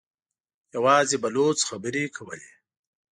يواځې بلوڅ خبرې کولې.